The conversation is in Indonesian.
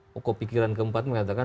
pokok pikiran keempat mengatakan